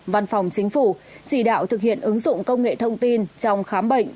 văn phòng chính phủ chỉ đạo thực hiện ứng dụng công nghệ thông tin trong khám bệnh